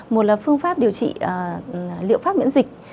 một là phương pháp điều trị liệu pháp miễn dịch